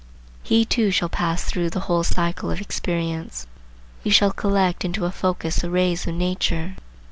He too shall pass through the whole cycle of experience. He shall collect into a focus the rays of nature.